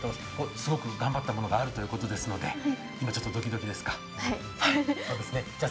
すごく頑張ったものがあるということですので今、ドキドキですか？